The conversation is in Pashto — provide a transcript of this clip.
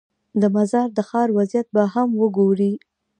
د مزار د ښار وضعیت به هم وګورې.